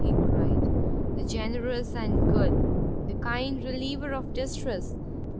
he cried, "the generous and good! the kind reliever of distress!